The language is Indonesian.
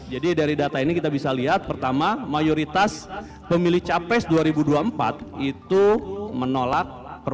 jadi dari data ini kita bisa lihat pertama mayoritas pemilih capres dua ribu dua puluh empat itu menolak